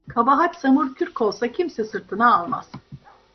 Kabahat samur kürk olsa kimse sırtına almaz.